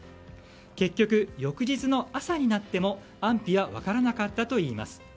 結局、翌日の朝になっても安否は分からなかったといいます。